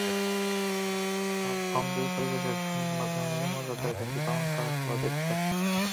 ভাবগম্ভীর পরিবেশে সম্পূর্ণ ধর্মীয় মর্যাদায় দিনটি পালন করা সবার নৈতিক দায়িত্ব।